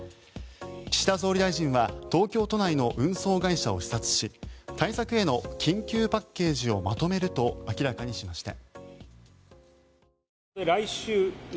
岸田総理大臣は東京都内の運送会社を視察し対策への緊急パッケージをまとめると明らかにしました。